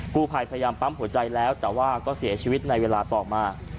กู้ภัยพยายามปั๊มหัวใจแล้วแต่ว่าก็เสียชีวิตในเวลาต่อมา